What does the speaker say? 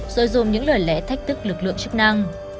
rồi dùng những lời lẽ thách thức lực lượng chức năng